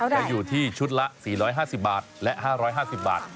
จะอยู่ที่ชุดละ๔๕๐บาทและ๕๕๐บาท